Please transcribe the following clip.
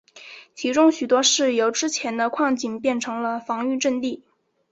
其中许多是由之前的矿井变成了防御阵地。